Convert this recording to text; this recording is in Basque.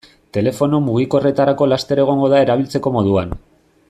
Telefono mugikorretarako laster egongo da erabiltzeko moduan.